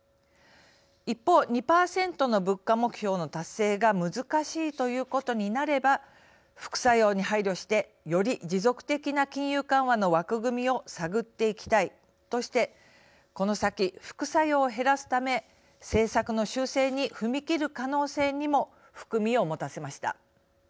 一方、２％の物価目標の達成が難しいということになれば「副作用に配慮してより持続的な金融緩和の枠組みを探っていきたい」としてこの先、副作用を減らすため政策の修正に踏み切る可能性にも含みを持たせました。